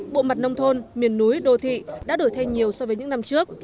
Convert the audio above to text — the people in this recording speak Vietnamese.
bộ mặt nông thôn miền núi đô thị đã đổi thay nhiều so với những năm trước